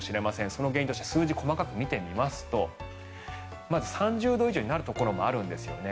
その原因として数字を細かく見てみますと３０度以上になるところもあるんですよね。